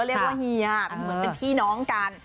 เรียกว่าเฮียเป็นพี่น้องกัน